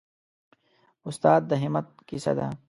استاد د همت کیسه ده.